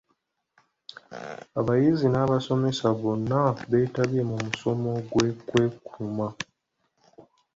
Abayizi n'abasomesa bonna betabye mu musomo gw'okwekuuma.